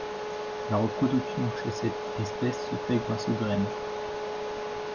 La reproduction chez cette espèce se fait grâce aux graines.